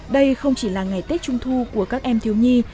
đây không chỉ là ngày tết trung thu của các em thiếu nhi